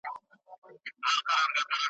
د ملا تر زړه وتلې د غم ستني ,